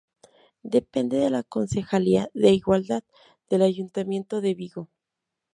Depende de la Concejalía de Igualdad del Ayuntamiento de Vigo.